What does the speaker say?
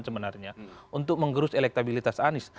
sebenarnya untuk menggerus elektabilitas anies